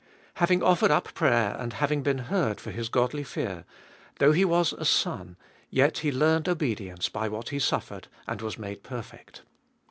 Having offered up prayer, and having been heard for His godly fear, though He was a Son, yet He learned obedience by what He suffered, and was made perfect.